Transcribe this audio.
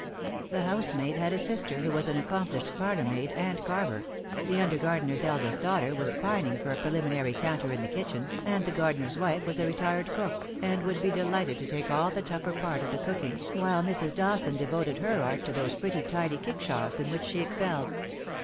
The housemaid had a sister, who was an accomplished parlour maid and carver ; the under gardener's eldest daughter was pining for a preliminary canter in the kitchen, and the gardener's wife was a retired cook, and would be delighted to take all the tougher part of the cooking, while Mrs. Dawson devoted her art to those pretty tiny kickshaws in which she excelled.